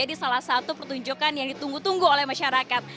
itu pertunjukan yang ditunggu tunggu oleh masyarakat